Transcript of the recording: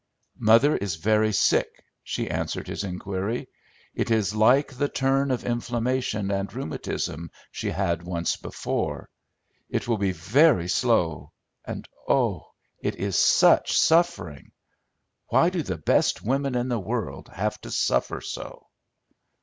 "Mother is very sick," she answered his inquiry. "It is like the turn of inflammation and rheumatism she had once before. It will be very slow, and oh, it is such suffering! Why do the best women in the world have to suffer so?"